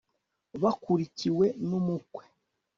bakurikiwe n'umukwe